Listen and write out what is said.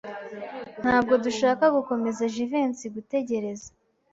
Ntabwo dushaka gukomeza Jivency gutegereza.